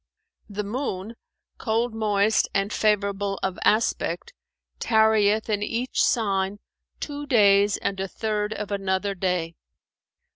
The Moon, cold moist and favourable of aspect, tarrieth in each Sign two days and a third of another day.